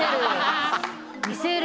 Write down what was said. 見せる。